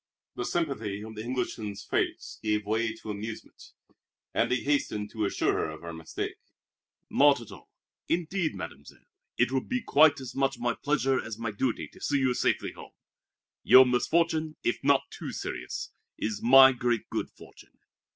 The sympathy of the Englishman's face gave way to amusement, and he hastened to assure her of her mistake. "Not at all, indeed, Mademoiselle. It will be quite as much my pleasure as my duty to see you safely home. Your misfortune if not too serious is my great good fortune!"